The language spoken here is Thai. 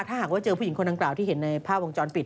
ถ้าหากว่าเจอผู้หญิงคนดังกล่าวที่เห็นในภาพวงจรปิด